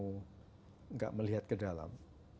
tidak melihat ke dalam